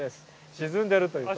沈んでるというところ。